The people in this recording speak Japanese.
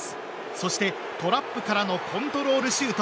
そして、トラップからのコントロールシュート。